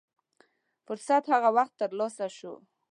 فرصت هغه وخت تر لاسه شو.